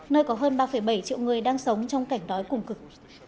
nơi có hơn ba bảy triệu người đang sống trong cảnh đói cùng cực